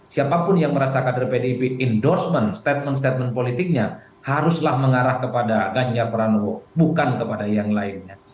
siapapun yang merasa kader pdip endorsement statement statement politiknya haruslah mengarah kepada ganjar pranowo bukan kepada yang lainnya